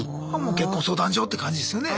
結婚相談所って感じですよね。